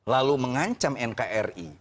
lalu mengancam nkri